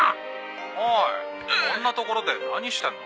おいこんな所で何してんの？